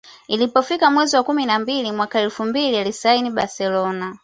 Ilipofika mwezi wa kumi na mbili mwaka elfu mbili alisainiwa Barcelona